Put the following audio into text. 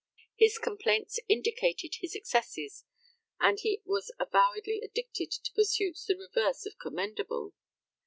His complaints indicated his excesses, and he was avowedly addicted to pursuits the reverse of commendable.